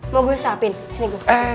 mau gue siapin sini gue siapin